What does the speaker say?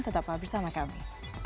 tetap bersama kami